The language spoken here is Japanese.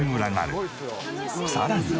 さらに。